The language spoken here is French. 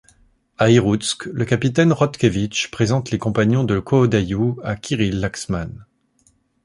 À Irhutsk, le capitaine Khotkevich présentent les compagnons de Kōdayū à Kirill Laxman.